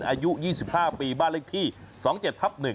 อายุ๒๕ปีบ้านเลขที่๒๗ทับ๑